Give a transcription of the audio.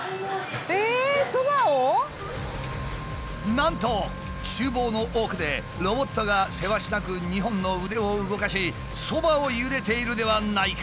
なんと厨房の奥でロボットがせわしなく２本の腕を動かしそばをゆでているではないか！